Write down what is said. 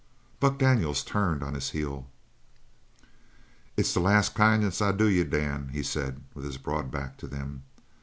Buck Daniels turned on his heel. "It's the last kindness I do you, Dan," he said, with his broad back to them.